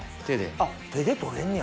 あっ手で取れんねや。